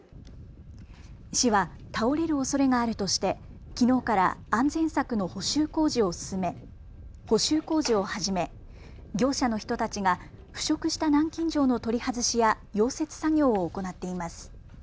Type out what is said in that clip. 市は倒れるおそれがあるとしてきのうから安全柵の補修工事を始め業者の人たちが腐食した南京錠の取り外しや溶接作業を行っています。